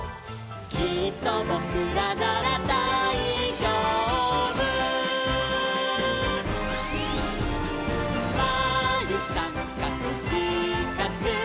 「きっとぼくらならだいじょうぶ」「まるさんかくしかく」